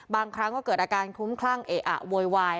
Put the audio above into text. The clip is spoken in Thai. บางครั้งก็เกิดอาการคลุ้มคลั่งเอะอะโวยวาย